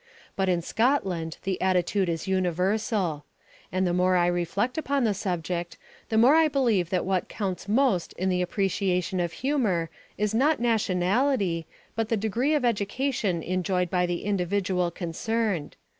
But in Scotland the attitude is universal. And the more I reflect upon the subject, the more I believe that what counts most in the appreciation of humour is not nationality, but the degree of education enjoyed by the individual concerned.